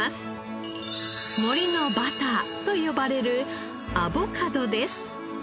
「森のバター」と呼ばれるアボカドです。